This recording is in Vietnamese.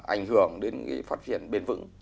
ảnh hưởng đến phát triển bền vững